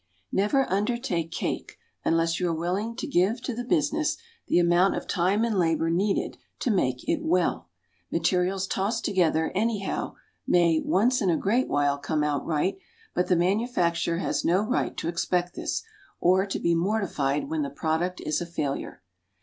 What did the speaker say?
NEVER undertake cake unless you are willing to give to the business the amount of time and labor needed to make it well. Materials tossed together "anyhow" may, once in a great while, come out right, but the manufacturer has no right to expect this, or to be mortified when the product is a failure.